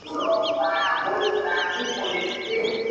Tiene su sede en Birmingham.